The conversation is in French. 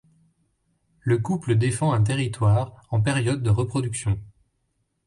Le couple défend un territoire en période de reproduction.